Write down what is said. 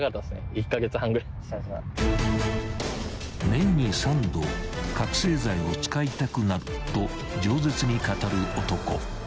［年に３度覚醒剤を使いたくなると饒舌に語る男］